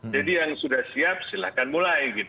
jadi yang sudah siap silahkan mulai